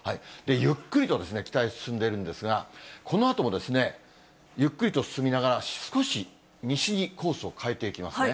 ゆっくりとですね、北へ進んでいるんですが、このあともゆっくりと進みながら、少し西にコースを変えていきますね。